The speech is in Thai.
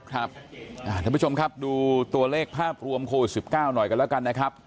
ท่านผู้ชมครับดูตัวเลขภาพรวมโควิด๑๙หน่อยกันแล้วกันนะครับ